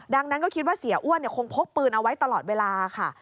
ดังนั้นก็คิดว่าเสียอ้วนคงพกปืนเอาไว้ตลอดเวลาค่ะ